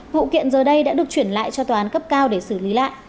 vụ kiện giờ đây đã được chuyển lại cho tòa án cấp cao để xử lý lại